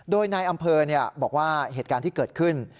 โดยนายอำเภอบอกว่าเหตุการณ์ที่เกิดขึ้น